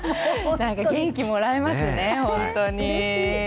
なんか元気もらえますね、本当に。